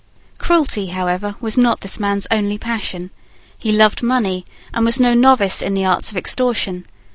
Cruelty, however, was not this man's only passion. He loved money; and was no novice in the arts of extortion.